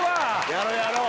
やろうやろう！